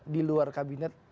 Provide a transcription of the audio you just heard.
di luar kabinet